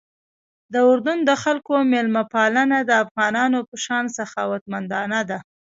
د اردن د خلکو میلمه پالنه د افغانانو په شان سخاوتمندانه ده.